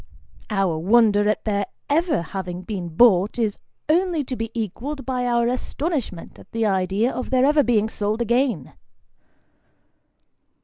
Our wonder at their ever having been bought, is only to be equalled by our astonishment at the idea of their ever being sold again.